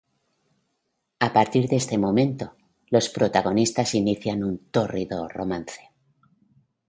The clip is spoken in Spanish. A partir de este momento, los protagonistas inician un tórrido romance.